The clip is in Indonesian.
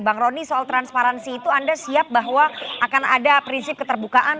bang roni soal transparansi itu anda siap bahwa akan ada prinsip keterbukaan